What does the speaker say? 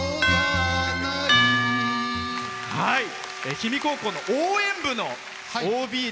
氷見高校の応援部のＯＢで。